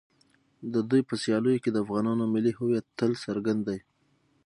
د دوی په سیالیو کې د افغانانو ملي هویت تل څرګند دی.